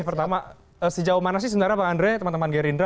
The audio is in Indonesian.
pertama sejauh mana sih sebenarnya bang andre teman teman gerindra